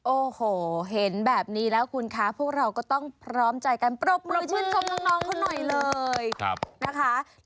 โอ้โหเห็นแบบนี้แล้วคุณคะพวกเราก็ต้องพร้อมใจกันปรบมือชื่นชมน้องเขาหน่อยเลยนะคะ